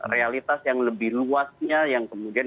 realitas yang lebih luasnya yang kemudian